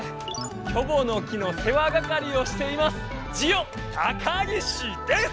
キョボの木の世話係をしていますジオタカギシです！